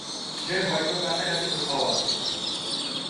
সে হয়ত কাছাকাছি কোথাও আছে।